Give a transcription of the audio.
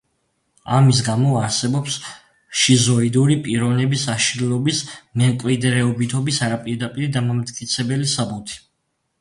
ამის გამო, არსებობს შიზოიდური პიროვნების აშლილობის მემკვიდრეობითობის არაპირდაპირი დამამტკიცებელი საბუთი.